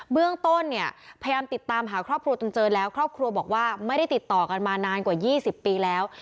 เรื่องต้นเนี่ยพยายามติดตามหาครอบครัวจนเจอแล้วครอบครัวบอกว่าไม่ได้ติดต่อกันมานานกว่า๒๐ปีแล้ว